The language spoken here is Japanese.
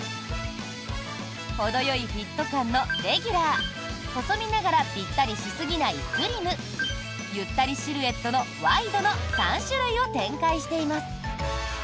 ほどよいフィット感のレギュラー細身ながらぴったりしすぎないスリムゆったりシルエットのワイドの３種類を展開しています。